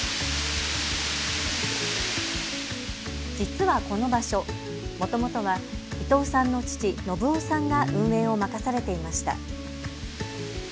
実はこの場所、もともとは伊藤さんの父、信男さんが運営を任されていました。